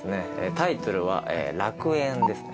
タイトルは「楽園」ですね。